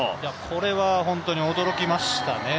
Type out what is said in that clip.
これは本当に驚きましたね。